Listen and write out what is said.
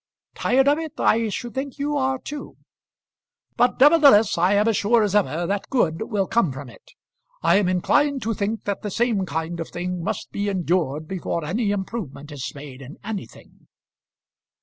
"Tired of it! I should think you are too." "But nevertheless I am as sure as ever that good will come from it. I am inclined to think that the same kind of thing must be endured before any improvement is made in anything."